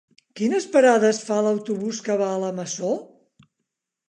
Quines parades fa l'autobús que va a la Masó?